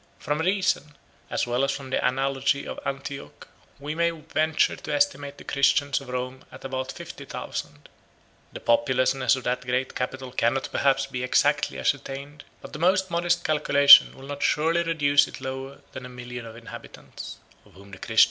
169 From reason, as well as from the analogy of Antioch, we may venture to estimate the Christians of Rome at about fifty thousand. The populousness of that great capital cannot perhaps be exactly ascertained; but the most modest calculation will not surely reduce it lower than a million of inhabitants, of whom the Christians might constitute at the most a twentieth part.